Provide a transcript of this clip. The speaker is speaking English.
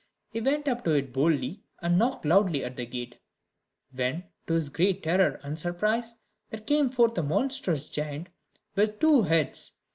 He went up to it boldly, and knocked loudly at the gate; when, to his great terror and surprise, there came forth a monstrous giant with two heads.